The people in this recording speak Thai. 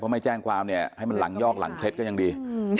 เพราะไม่แจ้งความให้มันหลังยอกหลังเท็จก็ยังดี